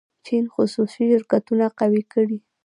چین خصوصي شرکتونه قوي کړي.